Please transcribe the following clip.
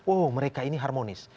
oh mereka ini harmonis